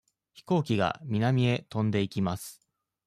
飛行機が南へ飛んでいきます。